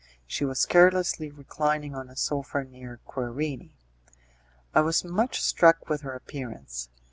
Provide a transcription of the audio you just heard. She was carelessly reclining on a sofa near Querini. I was much struck with her appearance.